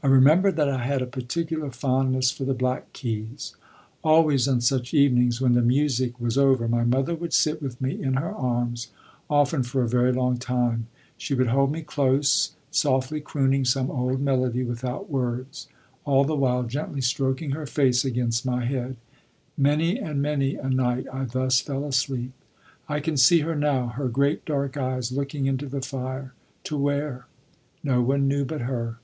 I remember that I had a particular fondness for the black keys. Always on such evenings, when the music was over, my mother would sit with me in her arms, often for a very long time. She would hold me close, softly crooning some old melody without words, all the while gently stroking her face against my head; many and many a night I thus fell asleep. I can see her now, her great dark eyes looking into the fire, to where? No one knew but her.